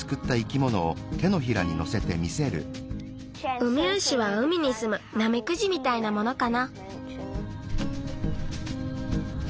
ウミウシは海にすむナメクジみたいなものかな。